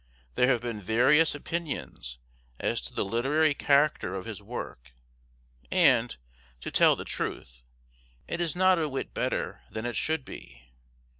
There have been various opinions as to the literary character of his work, and, to tell the truth, it is not a whit better than it should be.